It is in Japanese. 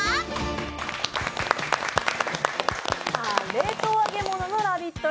冷凍揚げ物のラヴィット！